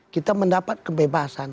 kita mendapat kebebasan